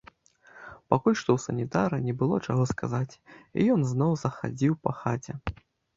Пакуль што ў санітара не было чаго сказаць, і ён зноў захадзіў па хаце.